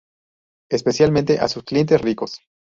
Especialmente a sus clientes ricos.